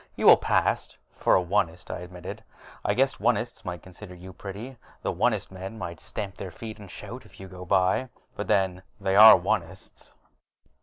"You will pass, for an Onist," I admitted. "I guess the Onists might consider you pretty; the Onist men might stamp their feet and shout if you go by but then, they are Onists."